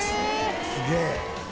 すげえ。